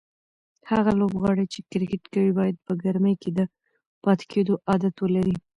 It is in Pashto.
هغه لوبغاړي چې کرکټ کوي باید په ګرمۍ کې د پاتې کېدو عادت ولري.